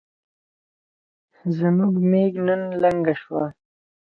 زموږ ميږ نن لنګه شوه